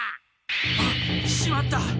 あっしまった！